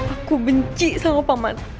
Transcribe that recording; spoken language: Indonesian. aku benci sama pak man